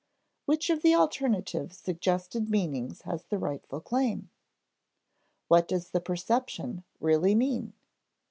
Which of the alternative suggested meanings has the rightful claim? What does the perception really mean?